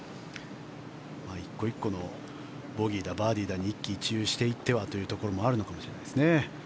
１個１個のボギーだバーディーに一喜一憂していてはというところもあるのかもしれないですね。